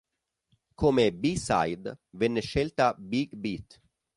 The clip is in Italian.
Come b side venne scelta "Big Beat".